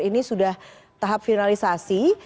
ini sudah tahap finalisasi